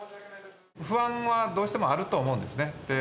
不安はどうしてもあると思うんですよね。